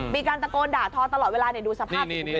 มีการตะโกนด่าทอตลอดเวลาดูสภาพ